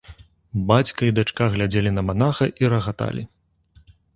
Бацька і дачка глядзелі на манаха і рагаталі.